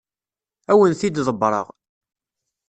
Ad awen-t-id-ḍebbreɣ.